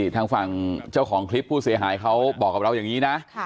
ทางฝั่งเจ้าของคลิปผู้เสียหายเขาบอกกับเราอย่างนี้นะ